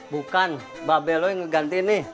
bukan mbak bello yang ngegantiin nih